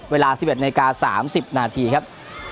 เวลา๑๑นาฬิกา๓๐นาทีครับ